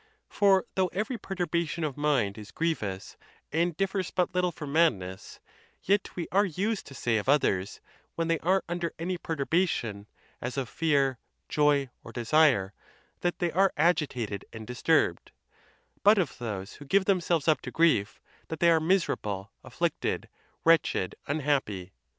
For though every perturbation of mind is grievous, and differs but little from madness, yet we are used to say of others when they are under any perturba tion, as of fear, joy, or desire, that they are agitated and disturbed; but of those who give themselves up to grief, that they are miserable, afflicted, wretched, unhappy.